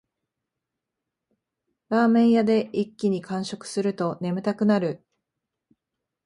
ラーメン屋で一気に完食すると眠たくなる